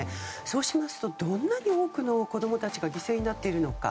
そうしますとどんなに多くの子供たちが犠牲になっているのか。